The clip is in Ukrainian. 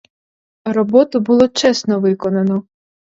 Роботу було чесно виконано!